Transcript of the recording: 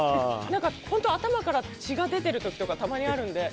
本当、頭から血が出てる時とかたまにあるので。